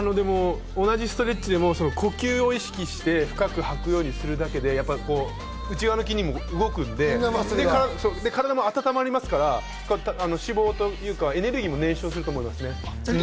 同じストレッチでも呼吸を意識して深く吐くようにすれば内側の筋肉も動くので体も温まりますから、脂肪というかエネルギーも燃焼すると思いますね。